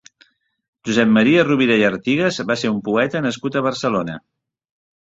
Josep Maria Rovira i Artigues va ser un poeta nascut a Barcelona.